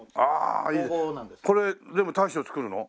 これ全部大将作るの？